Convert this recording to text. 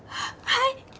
はい！